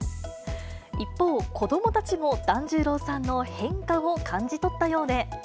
一方、子どもたちも團十郎さんの変化を感じ取ったようで。